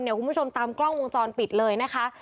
คุณผู้ชมตามกล้องวงจรปิดเลยนะคะ